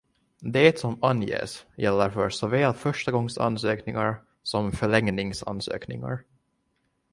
Det som anges gäller för såväl förstagångsansökningar som förlängningsansökningar.